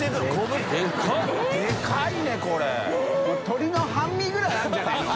發鶏の半身ぐらいあるんじゃないの？